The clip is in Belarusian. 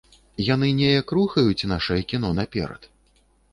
Яны неяк рухаюць нашае кіно наперад?